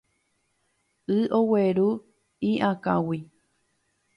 Y ogueru y'akãgui.